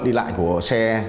đi lại của xe